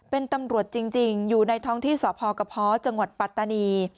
เป็นตำรวจจริงอยู่ในท้องที่สพกระเพาะจังหวัดปัตตานี